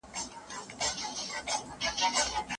خیال محمد